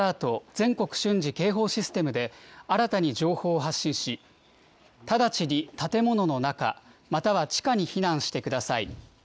・全国瞬時警報システムで、新たに情報を発信し、直ちに建物の中、または地下に避難してください。